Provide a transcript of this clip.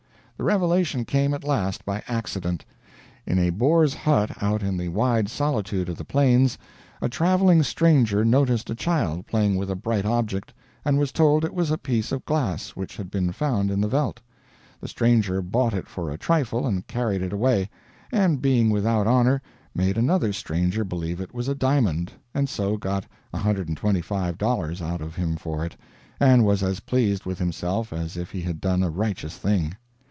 The revelation came at last by accident. In a Boer's hut out in the wide solitude of the plains, a traveling stranger noticed a child playing with a bright object, and was told it was a piece of glass which had been found in the veldt. The stranger bought it for a trifle and carried it away; and being without honor, made another stranger believe it was a diamond, and so got $125 out of him for it, and was as pleased with himself as if he had done a righteous thing.